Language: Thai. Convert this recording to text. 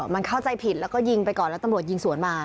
มันเข้าใจผิดแล้วก็ยิงไปก่อนแล้วตำรวจยิงสวนมา